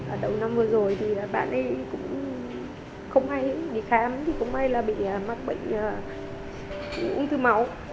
ở đầu năm vừa rồi thì bạn ấy cũng không hay đi khám cũng hay là bị mắc bệnh ung thư máu